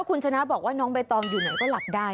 คุณชนะบอกว่าน้องใบตองอยู่ไหนก็หลับได้